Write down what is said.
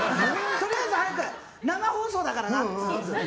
とりあえず早く生放送だから！